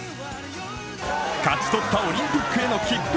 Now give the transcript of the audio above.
勝ち取ったオリンピックへの切符。